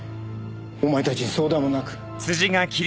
お前たちに相談もなく。